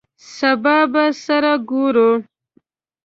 سبا به سره ګورو !